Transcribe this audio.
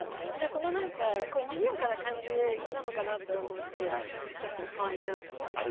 そのにぎやかな感じなのかなって思ってちょっとかわいいなって思いました。